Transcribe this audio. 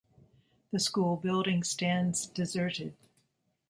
The school building stands deserted.